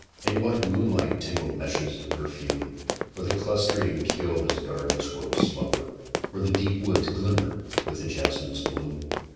In what moonlight tangled meshes of perfume, Where the clustering keovas guard the squirrel's slumber, Where the deep woods glimmer with the jasmine's bloom?